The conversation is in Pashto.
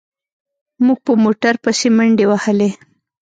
موږ په موټر پسې منډې وهلې.